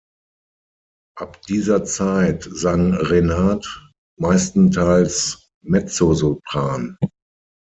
Ab dieser Zeit sang Renard meistenteils Mezzosopran.